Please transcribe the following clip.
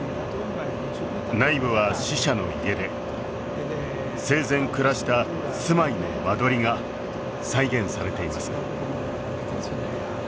内部は死者の家で生前暮らした住まいの間取りが再現されています